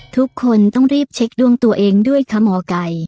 ทุกคนต้องรีบเช็คดวงตัวเองด้วยค่ะหมอไก่